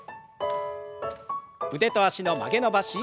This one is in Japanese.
腕と脚の曲げ伸ばし。